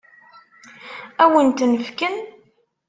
Ad wen-ten-fken?